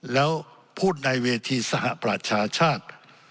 แล้วพูดในเวทีสหประชาชาติ